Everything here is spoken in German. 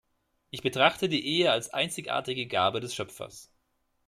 Ich betrachte die Ehe als einzigartige Gabe des Schöpfers.